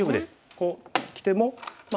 こうきてもまあ